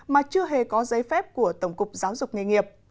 mà chưa hề có giấy phép của tổng cục giáo dục nghề nghiệp